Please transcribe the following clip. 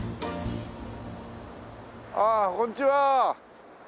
ああこんにちは。